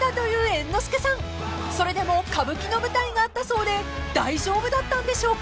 ［それでも歌舞伎の舞台があったそうで大丈夫だったんでしょうか？］